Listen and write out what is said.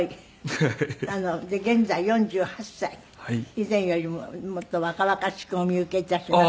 以前よりももっと若々しくお見受け致します。